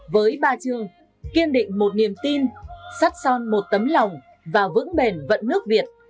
với ba chương kiên định một niềm tin sắt son một tấm lòng và vững bền vận nước việt